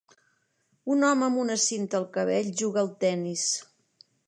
Un home amb una cinta al cabell juga al tennis.